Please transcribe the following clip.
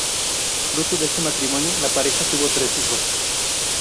Fruto de este matrimonio, la pareja tuvo tres hijos.